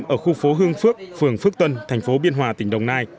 ở khu phố hương phước phường phước tân thành phố biên hòa tỉnh đồng nai